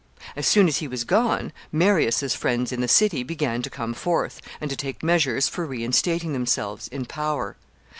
As soon as he was gone, Marius's friends in the city began to come forth, and to take measures for reinstating themselves in power.